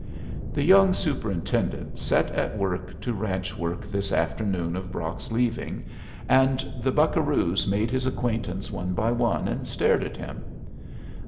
The young superintendent set at work to ranch work this afternoon of Brock's leaving, and the buccaroos made his acquaintance one by one and stared at him.